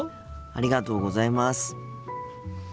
ありがとうございます。